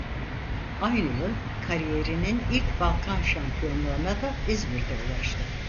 Aynı yıl kariyerinin ilk Balkan şampiyonluğuna da İzmir'de ulaştı.